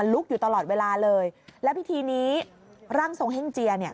อยู่ตลอดเวลาเลยแล้วพิธีนี้ร่างทรงเฮ่งเจียเนี่ย